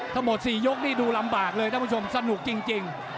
ทั้งหมด๔ยกนี่ดูลำบากเลยท่านผู้ชมสนุกจริง